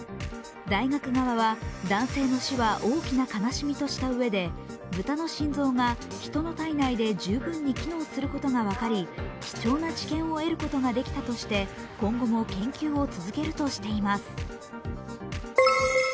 大学側は、男性の死は大きな悲しみとしたうえで豚の心臓が人の体内で十分に機能することが分かり、貴重な知見を得ることができたとして今後も研究を続けるとしています。